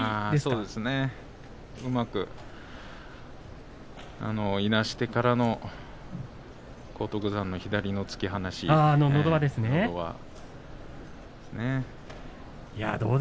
うまくいなしてからの荒篤山の左の突き放し、のど輪。